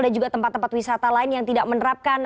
dan juga tempat tempat wisata lain yang tidak menerapkan